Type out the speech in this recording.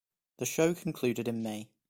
The show concluded in May.